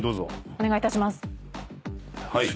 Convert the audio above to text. お願いいたします。